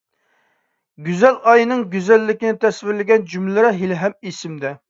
گۈزەلئاينىڭ گۈزەللىكىنى تەسۋىرلىگەن جۈملىلەر ھېلىھەم ئېسىمدە.